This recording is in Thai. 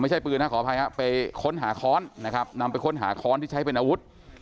ไม่ใช่ปืนนะขออภัยครับไปค้นหาค้อนนะครับนำไปค้นหาค้อนที่ใช้เป็นอาวุธ